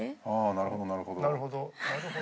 なるほどなるほど。